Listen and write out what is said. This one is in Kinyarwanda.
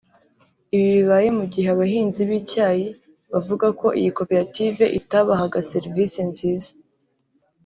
Ibi bibaye mu gihe abahinzi b’icyayi bavuga ko iyi koperative itabahaga serivisi nziza